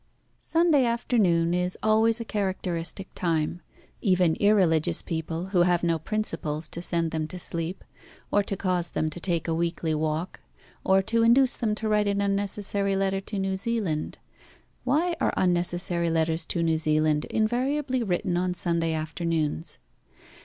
Sunday afternoon is always a characteristic time. Even irreligious people, who have no principles to send them to sleep, or to cause them to take a weekly walk, or to induce them to write an unnecessary letter to New Zealand why are unnecessary letters to New Zealand invariably written on Sunday afternoons?